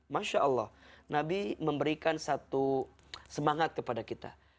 masya allah nabi memberikan satu semangat kepada kita